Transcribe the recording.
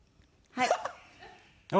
はい。